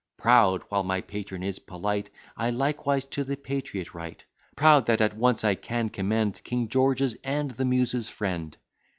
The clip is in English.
Proud! while my patron is polite, I likewise to the patriot write! Proud! that at once I can commend King George's and the Muses' friend!